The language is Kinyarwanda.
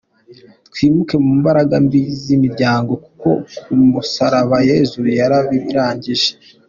Twimuke mu mbaraga mbi z’imiryango, kuko ku musaraba Yesu yarabirangije.